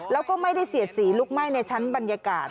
แล้วก็ไม่ได้เสียดสีลุกไหม้ในชั้นบรรยากาศ